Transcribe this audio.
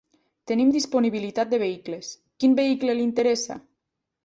Tenim disponibilitat de vehicles, quin vehicle li interessa?